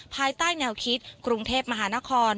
ภายใต้แนวคิดกรุงเทพมหานคร